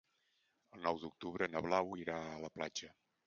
El nou d'octubre na Blau irà a la platja.